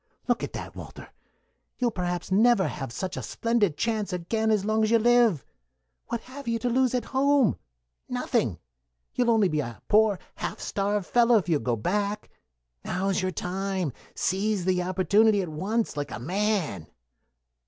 Look at that, Walter! You'll perhaps never have such a splendid chance again as long as you live. What have you to lose at home? Nothing. You'll only be a poor half starved fellow if you go back. Now's your time. Seize the opportunity at once, like a man."